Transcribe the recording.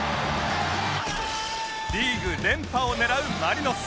リーグ連覇を狙うマリノス